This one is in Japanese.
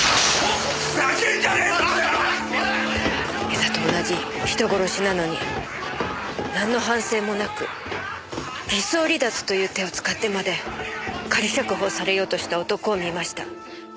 江田と同じ人殺しなのになんの反省もなく偽装離脱という手を使ってまで仮釈放されようとした男を見ました。